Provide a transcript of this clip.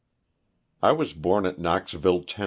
T WAS born at Knoxville, Tenn.